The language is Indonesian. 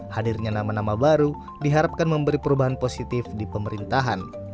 hadirnya nama nama baru diharapkan memberi perubahan positif di pemerintahan